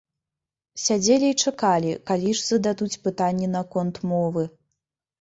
Сядзелі і чакалі, калі ж зададуць пытанне наконт мовы.